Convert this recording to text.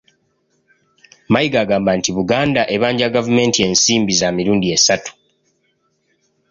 Mayiga agamba nti Buganda ebanja gavumenti ensimbi za mirundi esatu